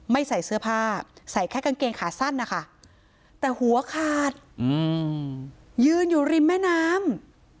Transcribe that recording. ใส่เสื้อผ้าใส่แค่กางเกงขาสั้นนะคะแต่หัวขาดยืนอยู่ริมแม่น้ำ